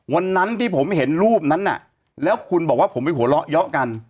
วันนั้นที่ผมเห็นรูปนั้นน่ะแล้วคุณบอกว่าผมไปหัวเราะเยาะกัน